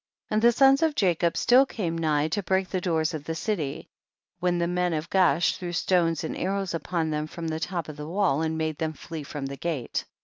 20. And the sons of Jacob still came nigh to break the doors of the city, when the men of Gaash threw stones and arrows upon them from the top of the wall, and made them flee from the gate.